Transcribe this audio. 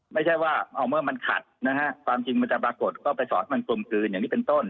ไม่ใช่ว่าเอาเมื่อมันขัดนะฮะความจริงมันจะปรากฏก็ไปสอนให้มันกลมกลืนอย่างนี้เป็นต้น